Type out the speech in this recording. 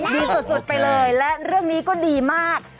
ดีสุดไปเลยและเรื่องนี้ก็ดีมาก